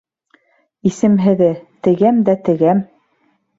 Исемһеҙе: «Тегәм дә тегәм»